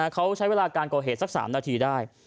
เขาใช้เวลาการก่อเหตุสัก๓นาทีได้